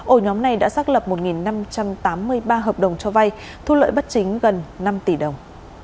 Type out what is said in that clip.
ổ nhóm này đã xác lập một năm trăm tám mươi ba hợp đồng cho vay thu lợi bất chính gần năm tỷ đồng